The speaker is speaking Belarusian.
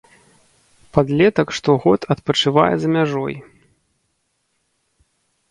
Падлетак штогод адпачывае за мяжой.